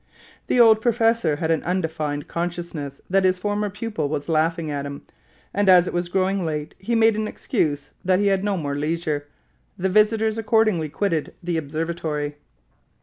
The old professor had an undefined consciousness that his former pupil was laughing at him; and as it was growing late, he made an excuse that he had no more leisure. The visitors accordingly quitted the observatory.